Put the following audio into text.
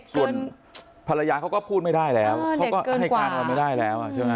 ส่วนภรรยาเขาก็พูดไม่ได้แล้วเขาก็ให้การอะไรไม่ได้แล้วใช่ไหม